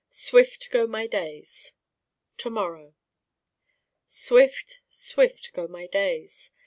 Swift go my days To morrow Swift, Swift go my days.